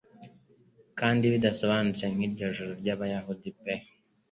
Kandi bidasobanutse nkiryo juru ryabayahudi pe